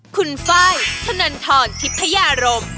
คุณไฟล์ธนันทรทิพยารม